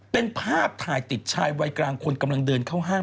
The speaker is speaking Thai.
เป็นภาพถ่ายติดชายวัยกลางคนกำลังเดินเข้าห้าง